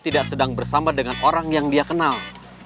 tidak sedang bersama dengan orang yang dia kenal